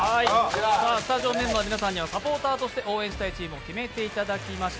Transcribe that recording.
スタジオメンバーの皆さんにはサポーターとして応援したいチームを決めていただきました。